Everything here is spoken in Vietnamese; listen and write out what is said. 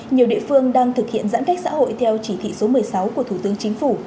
nhiều địa phương đang thực hiện giãn cách xã hội theo chỉ thị số một mươi sáu của thủ tướng chính phủ